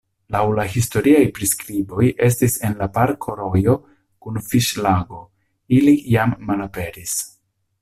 Laŭ la historiaj priskriboj estis en la parko rojo kun fiŝlago, ili jam malaperis.